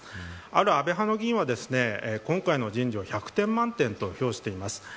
ある安倍派の議員は今回の人事を１００点満点と評しています。